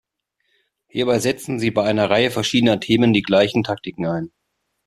Hierbei setzten sie bei einer Reihe verschiedener Themen die gleichen Taktiken ein.